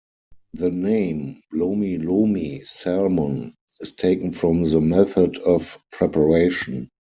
The name "lomi-lomi salmon" is taken from the method of preparation.